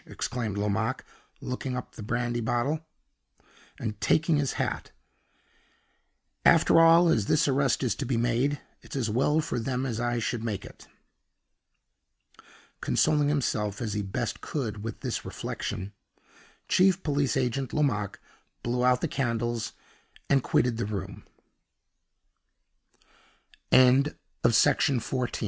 exclaimed Lomaque, locking up the brandy bottle, and taking his hat. "After all, as this arrest is to be made, it's as well for them that I should make it." Consoling himself as he best could with this reflection, Chief Police Agent Lomaque blew out the candles, and quitted the room. CHAPTER II. Ignora